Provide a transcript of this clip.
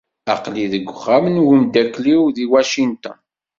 Aql-i deg uxxam n wemdakel-iw deg Washington.